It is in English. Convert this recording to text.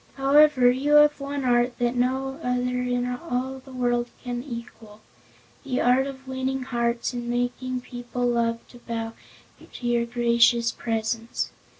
However, you have one art that no other in all the world can equal the art of winning hearts and making people love to bow to your gracious presence.